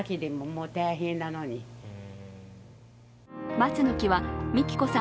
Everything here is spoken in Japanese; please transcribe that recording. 松の木は幹子さん